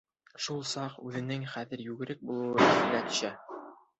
Шул саҡ үҙенең хәҙер йүгерек булыуы иҫенә төшә.